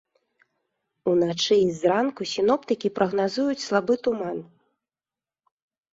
Уначы і зранку сіноптыкі прагназуюць слабы туман.